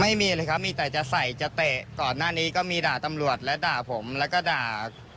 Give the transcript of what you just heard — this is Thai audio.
ไม่มีเลยครับมีแต่จะใส่จะเตะก่อนหน้านี้ก็มีด่าตำรวจและด่าผมแล้วก็ด่า